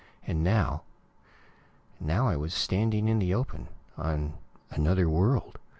And now ... and now I was standing in the open, on another world.